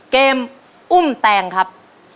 เกมอุ้่มแตงครับ